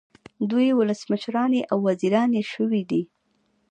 دوی ولسمشرانې او وزیرانې شوې دي.